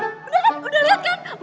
udah kan udah liat kan